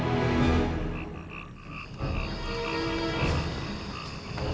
jangan sampai kau mencabut kayu ini